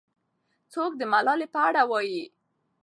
څوک د ملالۍ په اړه وایي؟